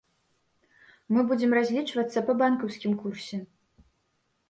Мы будзем разлічвацца па банкаўскім курсе.